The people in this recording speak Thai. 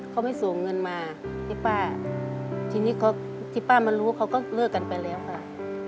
เขาไม่ส่งเงินมาที่ป้ามารู้เขาก็เลิกกันไปแล้วค่ะ